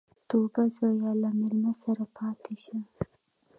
_توابه زويه، له مېلمه سره پاتې شه.